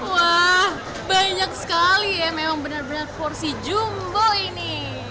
wah banyak sekali ya memang benar benar porsi jumbo ini